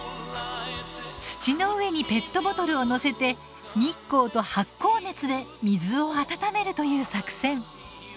土の上にペットボトルを載せて日光と発酵熱で水を温めるという作戦。